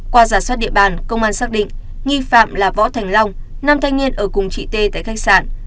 qua giả soát địa bàn công an xác định nghi phạm là võ thành long năm thanh niên ở cùng chị t tại khách sạn